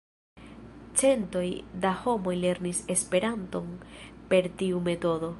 Centoj da homoj lernis Esperanton per tiu metodo.